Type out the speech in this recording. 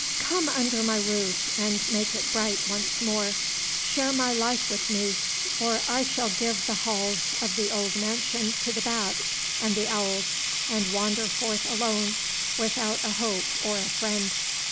Come under my roof and make it bright once more, share my life with me, or I shall give the halls of the old mansion to the bats and the owls, and wander forth alone without a hope or a friend!"